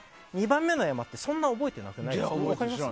２番目の山ってそんな覚えてなくないですか。